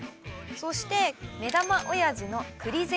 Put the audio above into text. そして。